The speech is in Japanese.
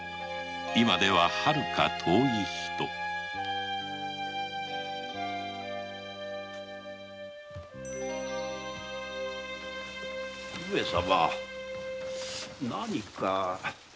今でははるか遠い人上様何か？